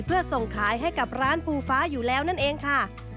เพื่อส่งขายให้กับร้านฟูฟ้าอยู่แล้วนั่นเองค่ะ